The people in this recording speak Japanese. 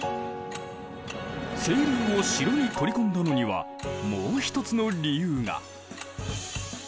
清流を城に取り込んだのにはもう一つの理由が。